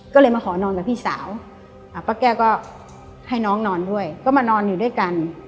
ก็เลยมาขอนอนกับพี่สาวป้าแก้วก็ให้น้องนอนด้วยก็มานอนอยู่ด้วยกัน